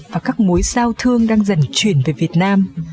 và các mối giao thương đang dần chuyển về việt nam